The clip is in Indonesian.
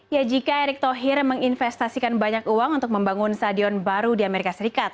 ya jika erick thohir menginvestasikan banyak uang untuk membangun stadion baru di amerika serikat